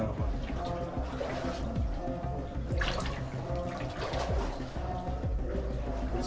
dan menjelang kembali ke rumah